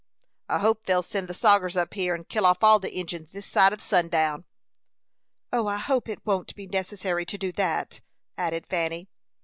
"I hope they'll send the sogers up here, and kill off all the Injins this side o' sundown." "I hope it won't be necessary to do that," added Fanny.